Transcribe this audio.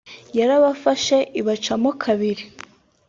yarabafashe ibacamo kabiri